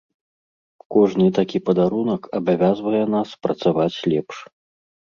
Кожны такі падарунак абавязвае нас працаваць лепш.